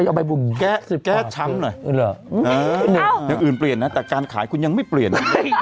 ยังอื่นเปลี่ยนน่ะแต่การขายคุณยังไม่เปลี่ยน